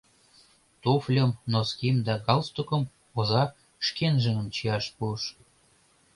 Туфльым, носким да галстукым оза шкенжыным чияш пуыш.